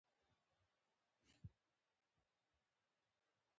ما ته چې کوم وخت راکول شوی وو څلور نیمو ته پکې رسیدلی وم.